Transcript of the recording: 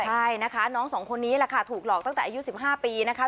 ใช่นะคะน้องสองคนนี้แหละค่ะถูกหลอกตั้งแต่อายุ๑๕ปีนะคะ